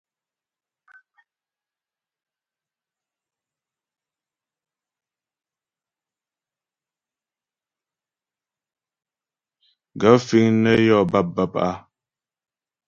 Gaə̂ fíŋ nə́ yó bâpbǎp a ?